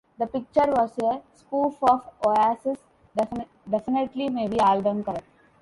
The picture was a spoof of Oasis' Definitely Maybe album cover.